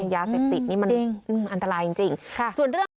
ยาเสพติดนี่มันอันตรายจริงจริงค่ะส่วนเรื่องของ